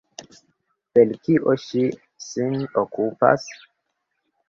Per kio ŝi sin okupas?